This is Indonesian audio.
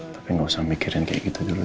tapi nggak usah mikirin kayak gitu dulu